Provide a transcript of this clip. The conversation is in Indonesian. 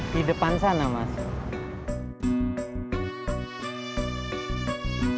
di depan sana mas